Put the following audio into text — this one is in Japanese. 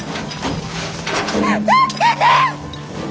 助けて！